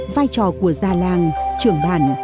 vai trò của gia làng trưởng bản